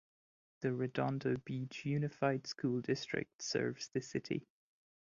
The Redondo Beach Unified School District serves the city.